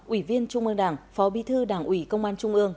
ủy viên trung mương đảng phó bi thư đảng ủy công an trung ương